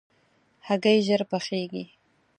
هګۍ ژر پخېږي.